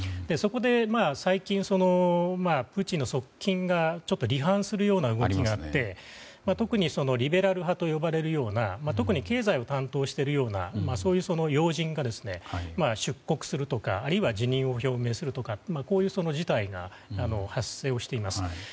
そこで、最近プーチンの側近がちょっと離反するような動きもあって特にリベラル派と呼ばれるような特に経済を担当しているようなそういう要人が出国するとか辞任を表明するとかこういう事態が発生をしています。